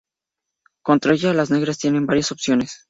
Contra ella, las negras tiene varias opciones.